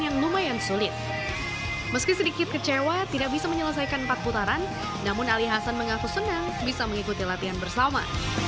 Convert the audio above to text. dan juga karena kecewa tidak bisa menyelesaikan empat putaran namun ali hasan mengaku senang bisa mengikuti latihan bersama